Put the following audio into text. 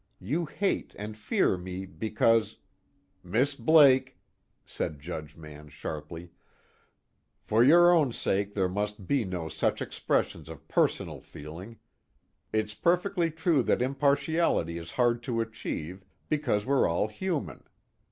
You hate and fear me because " "Miss Blake," said Judge Mann sharply, "for your own sake there must be no such expressions of personal feeling. It's perfectly true that impartiality is hard to achieve, because we're all human.